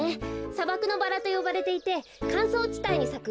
さばくのバラとよばれていてかんそうちたいにさく。